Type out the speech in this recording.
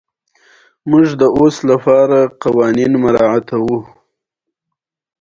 ځواک موټور حرکت کوي.